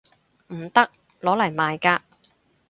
唔得！攞嚟賣㗎